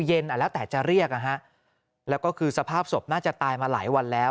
แล้วแต่จะเรียกนะฮะแล้วก็คือสภาพศพน่าจะตายมาหลายวันแล้ว